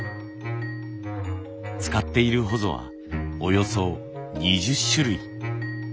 使っているほぞはおよそ２０種類。